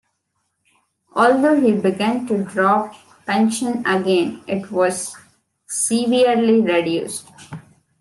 Although he began to draw pension again, it was severely reduced.